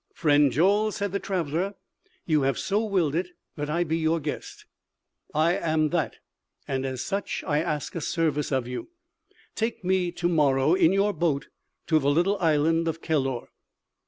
"Friend Joel," said the traveler, "you have so willed it that I be your guest; I am that, and, as such, I ask a service of you. Take me to morrow in your boat to the little island of Kellor."